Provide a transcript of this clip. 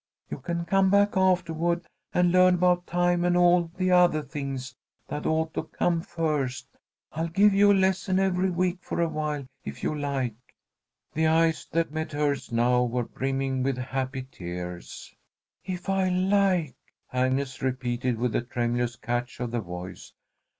You can come back aftahward and learn about time and all the othah things that ought to come first. I'll give you a lesson every week for awhile, if you like." The eyes that met hers now were brimming with happy tears. "If I like," Agnes repeated, with a tremulous catch of the voice.